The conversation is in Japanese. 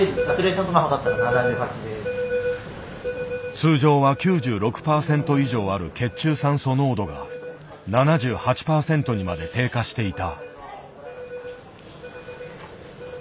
通常は９６％以上ある血中酸素濃度が７８％にまで低下していた。